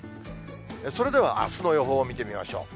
それではあすの予報を見てみましょう。